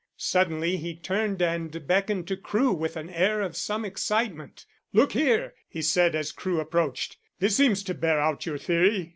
Suddenly he turned and beckoned to Crewe with an air of some excitement. "Look here!" he said, as Crewe approached. "This seems to bear out your theory."